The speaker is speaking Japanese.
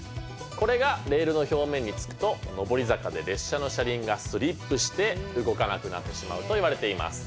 これがレールの表面に付くと上り坂で列車の車輪がスリップして動かなくなってしまうといわれています。